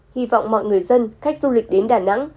hy vọng mọi người dân khách du lịch đến đà nẵng